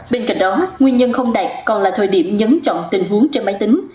bên cạnh đó nguyên nhân không đạt còn là thời điểm nhấn chọn tình huống trên máy tính